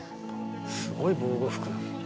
すごい防護服だな。